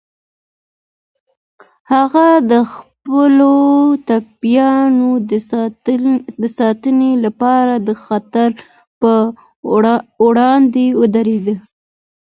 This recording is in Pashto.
هغه د خپلو ټپيانو د ساتنې لپاره د خطر په وړاندې ودرید.